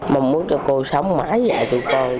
mong muốn cho cô sống mãi dạy tụi con